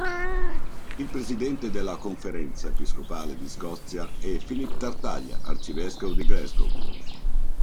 Il presidente della Conferenza episcopale di Scozia è Philip Tartaglia, arcivescovo di Glasgow.